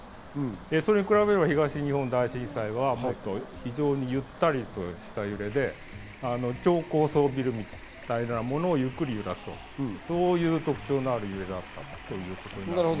それに比べれば東日本大震災は非常にゆったりとした揺れで超高層ビルみたいなものをゆっくり揺らす、そういう特徴のある揺れだったと思います。